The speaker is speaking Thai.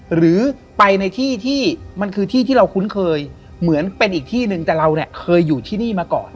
หรือไปในที่ที่มันคือที่ที่เราคุ้นเคยเหมือนเป็นอีกที่หนึ่งแต่เราเนี่ยเคยอยู่ที่นี่มาก่อน